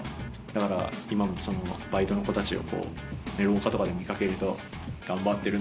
だから今もバイトの子たちを廊下とかで見掛けると「頑張ってるね。